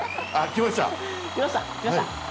きましたきました。